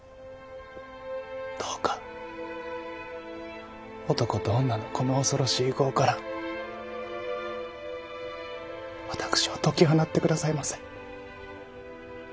どうか男と女のこの恐ろしい業から私を解き放って下さいませ！